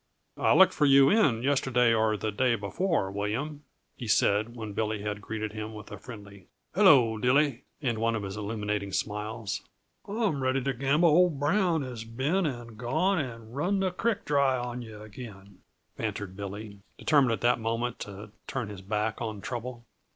"I looked for you in yesterday or the day before, William," he said, when Billy had greeted him with a friendly, "Hello, Dilly!" and one of his illuminating smiles. "I'm ready to gamble old Brown has been and gone and run the creek dry on yuh again," bantered Billy, determined at that moment to turn his back on trouble.